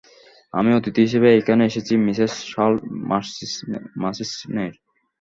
আমি অতিথি হিসেবে এখানে এসেছি মিসেস শার্লট মার্চিসনের।